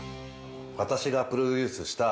私がプロデュースした。